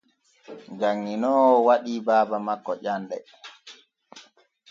Janŋinoowo waɗi baaba makko ƴanɗe.